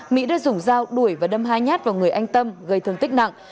mỹ đã dùng dao đuổi và đâm hai nhát vào người anh tâm gây thương tích nặng